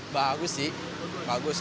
bagus sih bagus